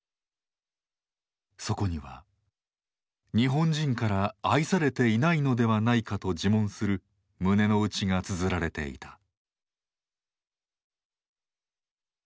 そこには「日本人から愛されていないのではないか」と自問する胸の内がつづられていた。